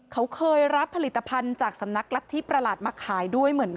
เขาเคยรับผลิตภัณฑ์จากสำนักรัฐธิประหลาดมาขายด้วยเหมือนกัน